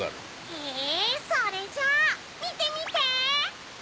へぇそれじゃみてみて！